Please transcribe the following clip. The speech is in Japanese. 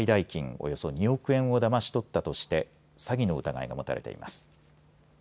およそ２億円をだまし取ったとして詐欺の疑いが持たれています。